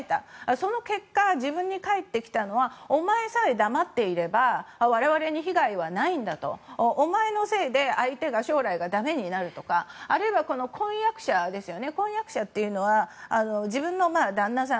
その結果、自分に返ってきたのはお前さえ黙っていれば我々に被害はないんだとお前のせいで相手の将来が駄目になるとかあるいは婚約者というのは自分の旦那さん